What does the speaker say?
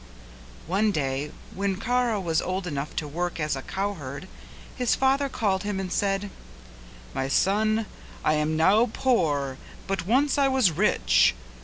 One day when Kara was old enough to work as a cowherd his father called him and said "My son, I am now poor but once I was rich.